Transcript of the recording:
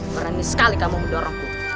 berani sekali kamu mendorongku